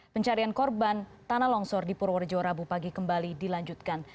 pencarian korban tanah longsor di purworejo rabu pagi kembali dilanjutkan